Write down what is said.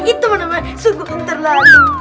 itu teman teman sungguh terlalu